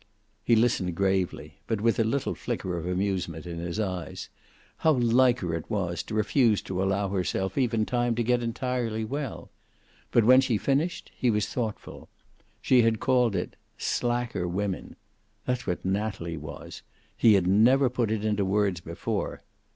He listened gravely, but with a little flicker of amusement in his eyes. How like her it was, to refuse to allow herself even time to get entirely well! But when she finished he was thoughtful. She had called it "Slacker Women." That was what Natalie was; he had never put it into words before.